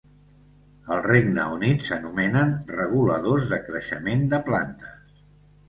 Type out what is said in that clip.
Al regne Unit s'anomenen "reguladors de creixement de plantes".